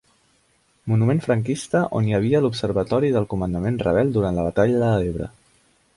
Monument franquista on hi havia l’observatori del comandament rebel durant la batalla de l’Ebre.